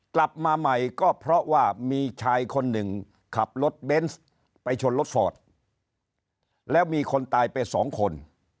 กลับมาใหม่ก็เพราะว่ามีชายคนหนึ่งขับรถเบนส์ไปชนรถฟอร์ดแล้วมีคนตายไปสองคน